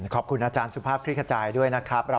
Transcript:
ขอบคุณอาจารย์สุภาพคลิกขจายด้วยนะครับ